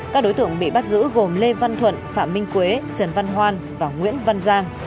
các đối tượng bị bắt giữ gồm lê văn thuận phạm minh quế trần văn hoan và nguyễn văn giang